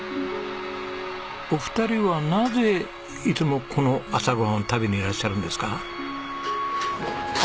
お二人はなぜいつもこの朝ごはんを食べにいらっしゃるんですか？